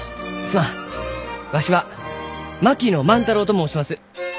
わしは槙野万太郎と申します。